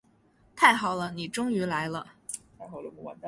太好了，你终于来了。